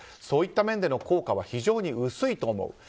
そういった面での効果は非常に薄いと思う。